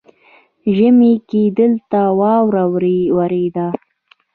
ژمي کې دلته واوره ورېده